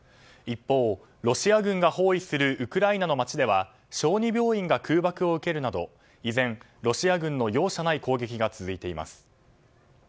一方、ロシア軍が包囲するウクライナの街では小児病院が空爆を受けるなど依然、ロシア軍の容赦ない攻撃が続いています。